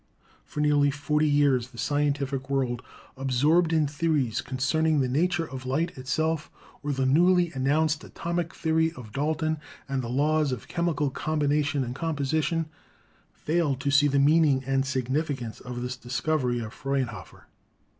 For nearly forty years the scientific world, absorbed in theories concerning the nature of light itself, or the newly announced atomic theory of Dalton and the laws of chemical combination and compo sition, failed to see the meaning and significance of this THE NATURE OF LIGHT 103 discovery of Frauenhofer.